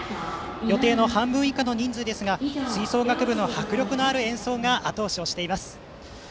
予定の半分以下の人数ですが吹奏楽部の迫力ある演奏があと押ししています。